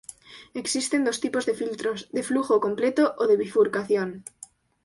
Existen dos tipos de filtros, de flujo completo, o de bifurcación.